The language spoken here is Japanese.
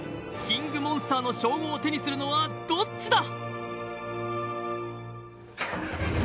モンスターの称号を手にするのはどっちだ？